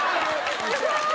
すごい！